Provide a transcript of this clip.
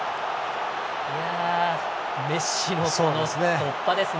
いやあ、メッシのこの突破ですね。